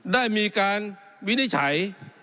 ได้มีการวินิจฉัย